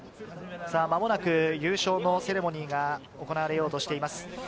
間もなく優勝のセレモニーが行われようとしています。